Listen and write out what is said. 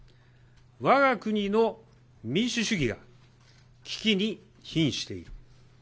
わが国の民主主義が危機にひんしている。